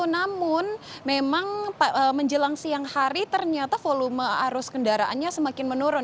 namun memang menjelang siang hari ternyata volume arus kendaraannya semakin menurun